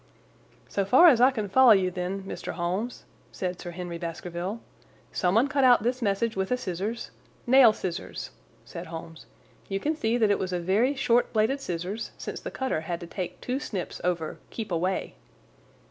"So far as I can follow you, then, Mr. Holmes," said Sir Henry Baskerville, "someone cut out this message with a scissors—" "Nail scissors," said Holmes. "You can see that it was a very short bladed scissors, since the cutter had to take two snips over 'keep away.